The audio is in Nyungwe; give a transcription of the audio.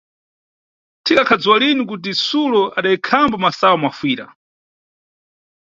Thika akhadziwa lini kuti Sulo adayikhambo masayu mafuyira.